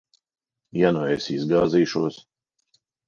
Ja nu es izgāzīšos?